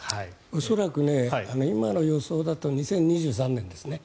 恐らく今の予想だと２０２３年ですね